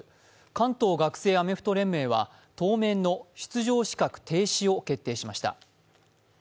関東学生アメフト連盟は、当面の出場資格停止を決定しました。